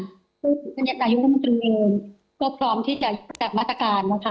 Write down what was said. ก็อยู่ในการยุ่งธรรมเองก็พร้อมพิจารณาผลกระดับมาตรการนะคะ